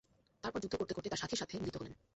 তারপর যুদ্ধ করতে করতে তাঁর সাথীর সাথে মিলিত হলেন।